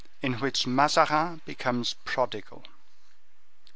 In which Mazarin becomes Prodigal.